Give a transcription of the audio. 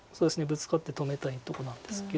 ブツカって止めたいとこなんですけど。